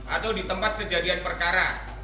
atau di tempat kejadian perkara